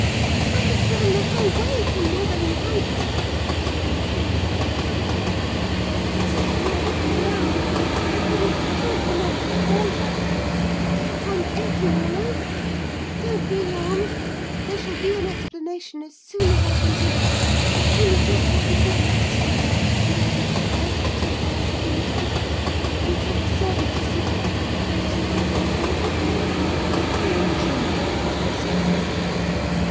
"I have run the whole way from Wuthering Heights!" she continued, after a pause; "except where I've flown. I couldn't count the number of falls I've had. Oh, I'm aching all over! Don't be alarmed! There shall be an explanation as soon as I can give it; only just have the goodness to step out and order the carriage to take me on to Gimmerton, and tell a servant to seek up a few clothes in my wardrobe." The intruder was Mrs. Heathcliff.